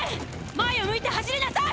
前を向いて走りなさい！